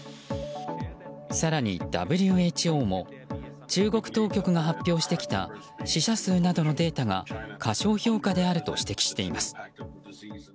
更に、ＷＨＯも中国当局が発表してきた死者数などのデータが過小評価であると指摘しています。